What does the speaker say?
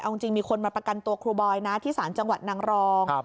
เอาจริงมีคนมาประกันตัวครูบอยนะที่ศาลจังหวัดนางรอง